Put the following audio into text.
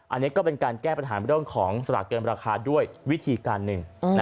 อันนี้ก็เป็นการแก้ปัญหาเรื่องของสลากเกินราคาด้วยวิธีการหนึ่ง